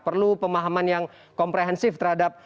perlu pemahaman yang komprehensif terhadap